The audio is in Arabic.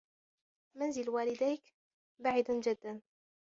منزل والديك بعد جدّا.